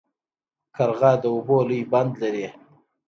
قرغه د اوبو لوی بند لري.